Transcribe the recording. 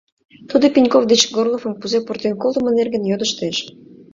Тудо Пеньков деч Горловым кузе пуртен колтымо нерген йодыштеш.